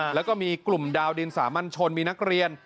แล้วก็มีกลุ่มดาวดินสามัญชนมีนักเรียน